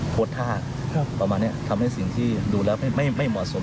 ประมาณนี้เฉพาะก็ทำให้สิ่งที่ดูแล้วไม่เหมาะสม